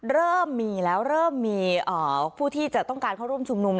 เริ่มมีแล้วเริ่มมีผู้ที่จะต้องการเข้าร่วมชุมนุม